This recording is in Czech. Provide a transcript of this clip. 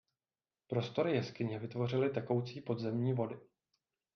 Prostory jeskyně vytvořily tekoucí podzemní vody.